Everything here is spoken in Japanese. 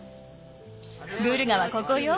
グルガはここよ。